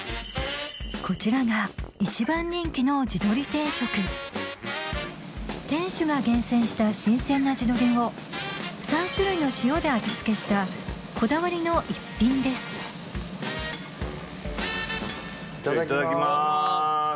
こちらが一番人気の店主が厳選した新鮮な地鶏を３種類の塩で味付けしたこだわりの逸品ですいただきます！